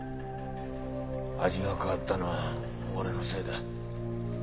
味が変わったのは俺のせいだ。